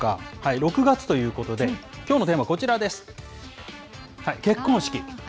６月ということで、きょうのテーマ、こちらです。